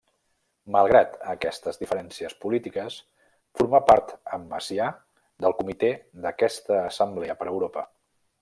Malgrat aquestes diferències polítiques, formà part amb Macià del comitè d'aquesta assemblea per a Europa.